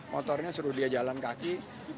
motornya suruh dia jalan kaki